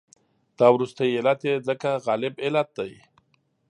دا وروستی علت یې ځکه غالب علت دی.